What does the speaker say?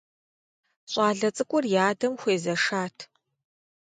Щӏалэ цӏыкӏур и адэм хуезэшат.